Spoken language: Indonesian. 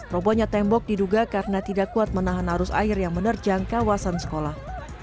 robohnya tembok diduga karena tidak kuat menahan arus air yang menerjang kawasan sekolah